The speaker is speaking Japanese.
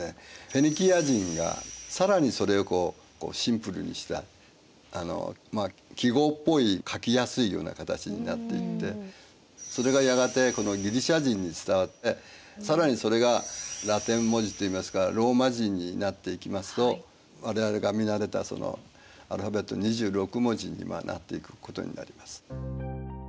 フェニキア人が更にそれをシンプルにした記号っぽい書きやすいような形になっていってそれがやがてこのギリシア人に伝わって更にそれがラテン文字と言いますかローマ字になっていきますと我々が見慣れたアルファベット２６文字になっていくことになります。